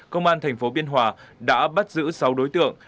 công an thành phố biên hòa đã bắt giữ sáu đối tượng